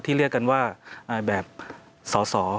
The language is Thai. ที่เรียกกันว่าแบบสอ